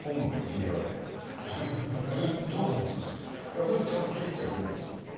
そうするとちゃんと聞いてきたりするんですよ。